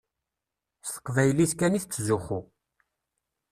S teqbaylit kan i tettzuxxu.